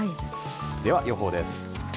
では予報です。